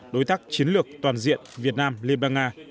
đối tác chiến lược toàn diện việt nam liên bang nga